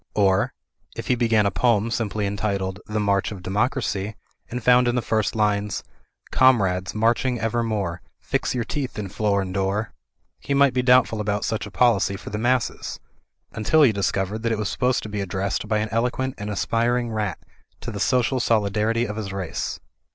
Or, if he began a poem simply entitled, "The March of Democracy," and found in the first lines — "Comrades, marching evermore. Fix your teeth in floor and dpor" V he might be doubtful about such a policy for the masses; imtil he discovered that it was supposed to be addressed by an eloquent and aspiring rat to the Digitized by CjOOQIC i68 THE FLYING INN social solidarity of his race.